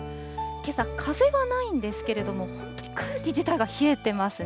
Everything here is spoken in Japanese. けさ、風がないんですけれども、本当に空気自体が冷えてますね。